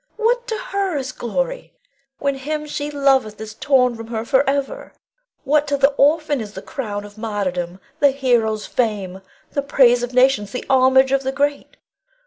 What to her is glory, when him she loveth is torn from her forever? What to the orphan is the crown of martyrdom, the hero's fame, the praise of nations, the homage of the great?